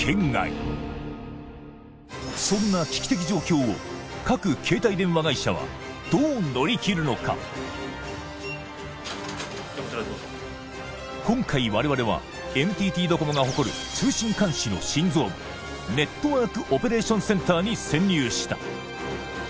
そんな危機的状況をこちらへどうぞ今回我々はＮＴＴドコモが誇る通信監視の心臓部ネットワークオペレーションセンターに潜入した